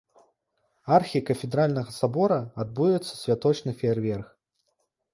Архікафедральнага сабора адбудзецца святочны феерверк.